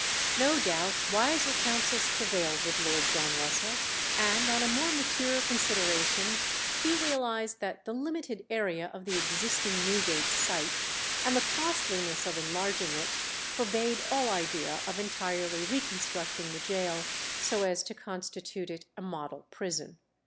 No doubt wiser counsels prevailed with Lord John Russell, and on a more mature consideration he realized that the limited area of the existing Newgate site, and the costliness of enlarging it, forbade all idea of entirely reconstructing the gaol so as to constitute it a model prison.